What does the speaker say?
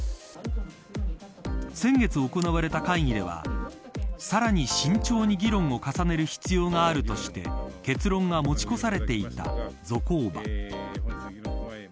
先月、行われた会議ではさらに慎重に議論を重ねる必要があるとして結論が持ち越されていたゾコーバ。